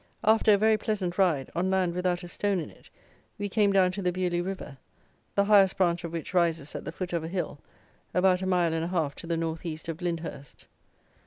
After a very pleasant ride, on land without a stone in it, we came down to the Beaulieu river, the highest branch of which rises at the foot of a hill, about a mile and a half to the north east of Lyndhurst.